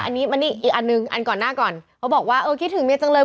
อันนี้อันนี้อีกอันหนึ่งอันก่อนหน้าก่อนเขาบอกว่าเออคิดถึงเมียจังเลย